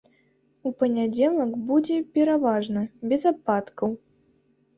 У панядзелак будзе пераважна без ападкаў.